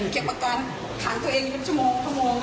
เก็บอาการถังตัวเองเฉินชั่วโมงกัน